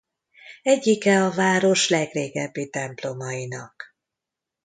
Egyike a város legrégebbi templomainak.